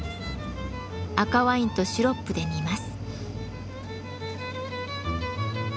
赤ワインとシロップで煮ます。